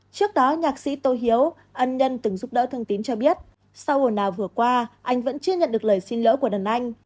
trước đó nhạc sĩ tô hiếu ân nhân từng giúp đỡ thương tín cho biết sau hồi nào vừa qua anh vẫn chưa nhận được lời xin lỗi của đàn anh